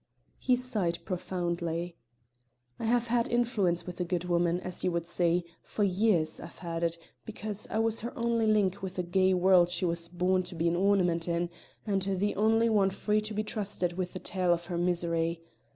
He sighed profoundly. "I have had influence with the good woman, as you would see; for years I've had it, because I was her only link with the gay world she was born to be an ornament in, and the only one free to be trusted with the tale of her misery.